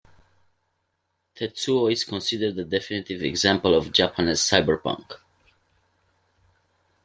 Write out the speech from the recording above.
Tetsuo is considered the definitive example of Japanese cyberpunk.